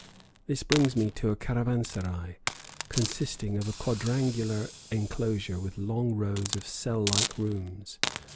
This brings me to a caravanserai, consisting of a quadrangular enclosure with long rows of cell like rooms.